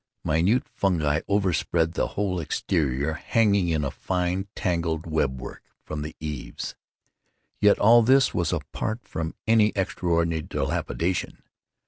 Minute fungi overspread the whole exterior, hanging in a fine tangled web work from the eaves. Yet all this was apart from any extraordinary dilapidation.